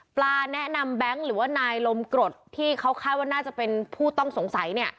แนะนำแบงค์หรือว่านายลมกรดที่เขาคาดว่าน่าจะเป็นผู้ต้องสงสัยเนี่ย